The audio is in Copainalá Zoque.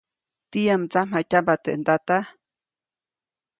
¿tiyam mdsamjatyamba teʼ ndata?